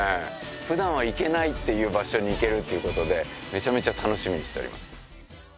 ふだんは行けないっていう場所に行けるっていうことでめちゃめちゃ楽しみにしております。